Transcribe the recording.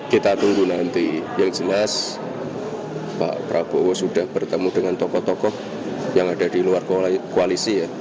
kita tunggu nanti yang jelas pak prabowo sudah bertemu dengan tokoh tokoh yang ada di luar koalisi ya